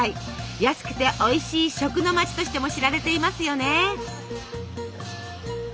安くておいしい食の街としても知られていますよね。